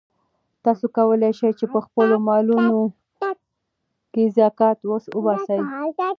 تاسو کولای شئ چې په خپلو مالونو کې زکات وباسئ.